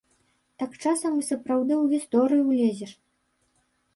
Так часам і сапраўды ў гісторыю ўлезеш.